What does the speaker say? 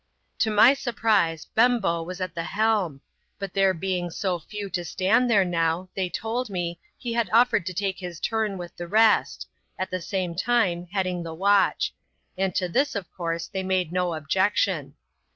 To my surprise, Bembo was at the helm ; but there being so few to stand there now, they told me, he had offered to take hia turn with the rest, at the same time heading the watch ; and to this, of course, they made no object\pn.